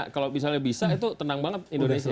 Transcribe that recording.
kalau misalnya bisa itu tenang banget indonesia